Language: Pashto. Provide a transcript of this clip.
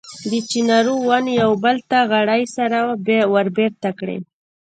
د چنارونو ونې یو بل ته غړۍ سره وربېرته کړي.